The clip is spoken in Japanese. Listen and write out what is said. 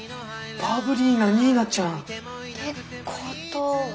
バブリーなニーナちゃん。ってことは。